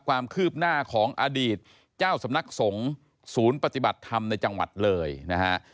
ความคืบหน้าของอดีตเจ้าสำนักสงฆ์ศูนย์ปฏิบัติธรรมในจังหวัดเลยนะฮะ